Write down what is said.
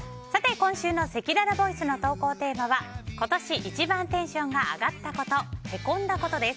今週のせきららボイスの投稿テーマは今年一番テンションが上がったこと＆へこんだことです。